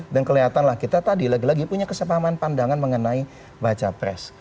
dan kelihatanlah kita tadi lagi lagi punya kesepahaman pandangan mengenai baca press